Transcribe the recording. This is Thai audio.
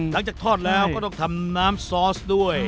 พอทอดแล้วก็ต้องทำน้ำซอสด้วย